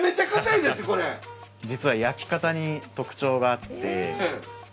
実は焼き方に特徴があって。